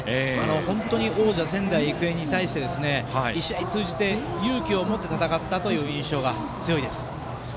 本当に王者、仙台育英に対して１試合通じて、勇気を持って戦ったという印象が強いです。